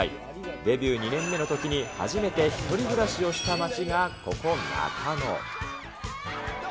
デビュー２年目のときに、初めて１人暮らしをした街が、ここ中野。